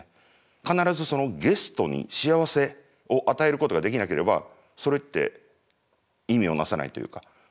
必ずゲストに幸せを与えることができなければそれって意味を成さないというか。